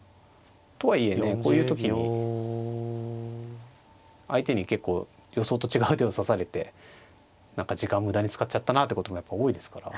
とはいえねこういう時に相手に結構予想と違う手を指されて何か時間を無駄に使っちゃったなってこともやっぱ多いですから。